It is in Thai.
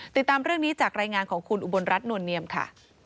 ติดตามเรื่องนี้จากรายงานของคุณอุบลรัฐนวลเนียมค่ะ